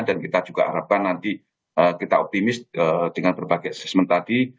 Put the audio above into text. dan kita juga harapkan nanti kita optimis dengan berbagai asesmen tadi